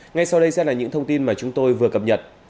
ngay sau đây sẽ là những thông tin mà chúng tôi vừa cập nhật